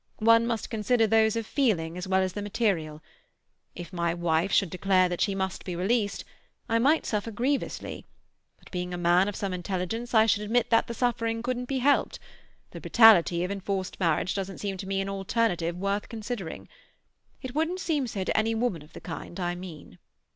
One must consider those of feeling, as well as the material. If my wife should declare that she must be released, I might suffer grievously, but being a man of some intelligence, I should admit that the suffering couldn't be helped; the brutality of enforced marriage doesn't seem to me an alternative worth considering. It wouldn't seem so to any woman of the kind I mean."